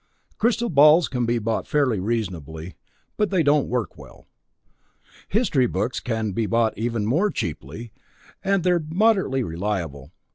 Crystal balls can be bought fairly reasonably but they don't work well. History books can be bought even more cheaply, and they're moderately reliable.